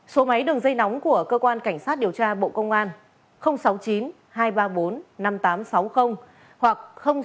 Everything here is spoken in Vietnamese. số máy đường dây nóng của cơ quan cảnh sát điều tra bộ công an sáu mươi chín hai trăm ba mươi bốn năm nghìn tám trăm sáu mươi hoặc sáu mươi chín hai trăm ba mươi hai một nghìn sáu trăm bảy